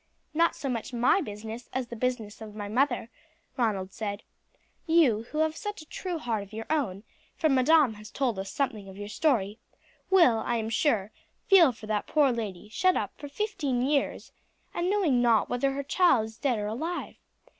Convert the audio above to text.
"Not so much my business as the business of my mother," Ronald said. "You who have such true heart of your own, for madam has told us something of your story, will, I am sure, feel for that poor lady shut up for fifteen years, and knowing not whether her child is dead or alive.